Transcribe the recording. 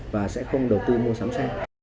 và sẽ không đầu tư mua sắm xe